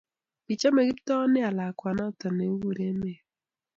Kichome Kiptoo nea lakwet noto ne kikure Mary